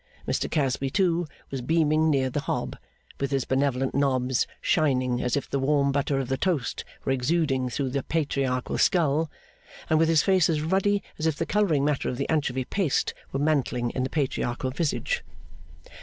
Mr Casby, too, was beaming near the hob, with his benevolent knobs shining as if the warm butter of the toast were exuding through the patriarchal skull, and with his face as ruddy as if the colouring matter of the anchovy paste were mantling in the patriarchal visage.